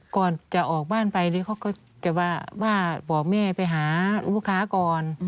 ก่อนจะออกบ้านไปเขาก็จะว่าบอกแม่ไปหาลูกค้าก่อน